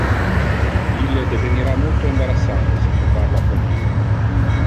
Ille devenira multo embarassate si tu parla con ille.